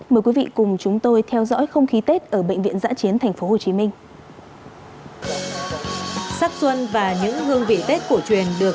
mời quý vị cùng chúng tôi theo dõi không khí tết ở bệnh viện giã chiến thành độ